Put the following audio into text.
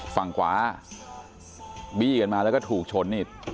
ฝั่งขวาบี้กันมาแล้วก็ถูกชนนี่